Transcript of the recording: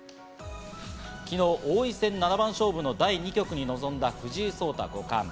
昨日、王位戦七番勝負の第２局に臨んだ藤井聡太五冠。